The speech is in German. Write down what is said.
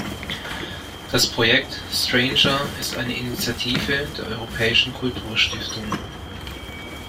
Das Projekt "Stranger" ist eine Initiative der Europäischen Kulturstiftung.